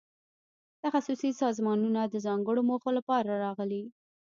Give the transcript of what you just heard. تخصصي سازمانونه د ځانګړو موخو لپاره راغلي.